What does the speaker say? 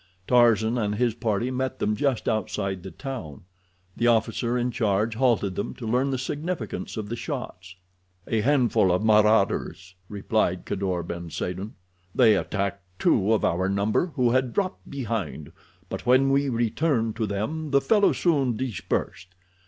Tarzan and his party met them just outside the town. The officer in charge halted them to learn the significance of the shots. "A handful of marauders," replied Kadour ben Saden. "They attacked two of our number who had dropped behind, but when we returned to them the fellows soon dispersed.